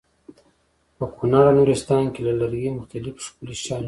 په کونړ او نورستان کې له لرګي مختلف ښکلي شیان جوړوي.